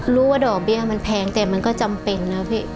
ว่าดอกเบี้ยมันแพงแต่มันก็จำเป็นนะพี่